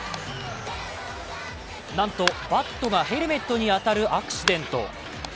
なんとバットがヘルメットに当たるアクシデント。